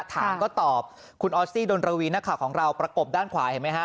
ถามก็ตอบคุณออสซี่ดนรวีนักข่าวของเราประกบด้านขวาเห็นไหมฮะ